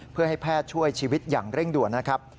เพื่อให้แพทย์ช่วยชีวิตอย่างเร่งด่วนนะครับ